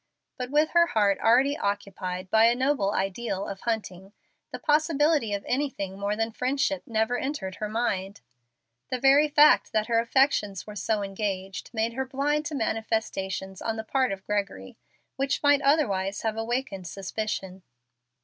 But with her heart already occupied by a noble ideal of Hunting, the possibility of anything more than friendship never entered her mind. The very fact that her affections were so engaged made her blind to manifestations on the part of Gregory which might otherwise have awakened suspicion.